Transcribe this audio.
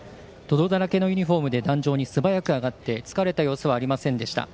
泥だらけのユニフォームで壇上にすばやく上がって疲れた様子はありませんでした。